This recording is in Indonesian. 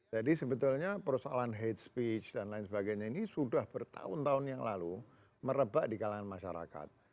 jadi sebetulnya persoalan hate speech dan lain sebagainya ini sudah bertahun tahun yang lalu merebak di kalangan masyarakat